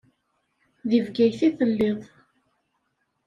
Deg Bgayet i telliḍ.